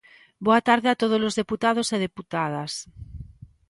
Boa tarde a todos os deputados e deputadas.